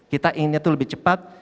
kita inginnya lebih cepat